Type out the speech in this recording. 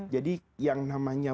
jadi yang namanya